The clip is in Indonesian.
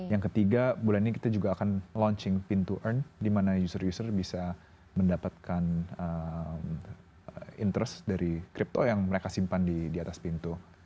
yang ketiga bulan ini kita juga akan launching pintu earn di mana user user bisa mendapatkan interest dari crypto yang mereka simpan di atas pintu